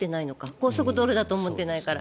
高速道路だと思ってないから。